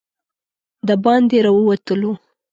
د باندې راووتلو.